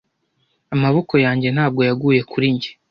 amaboko yanjye ntabwo yaguye kuri njye